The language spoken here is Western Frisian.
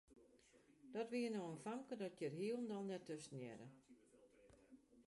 Dat wie no in famke dat hjir hielendal net thúshearde.